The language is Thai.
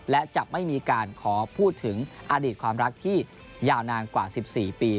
และจะไม่มีการขอพูดถึงอดีตความรักที่ยาวนานกว่า๑๔ปี